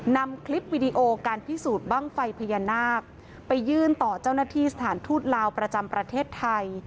นำคลิปวิดีโอการพิสูจน์บ้างไฟพญานาคไปยื่นต่อเจ้าหน้าที่สถานทูตลาวประจำประเทศไทย